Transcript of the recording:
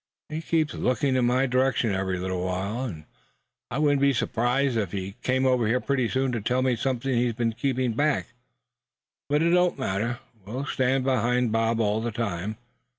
"He keeps looking in my direction every little while, and I wouldn't be surprised if he came over pretty soon to tell me something he's been keeping back. But it don't matter; we'll stand behind Bob all the time.